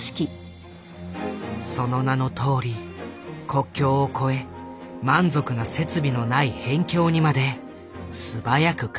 その名のとおり国境を越え満足な設備のない辺境にまで素早く駆けつける。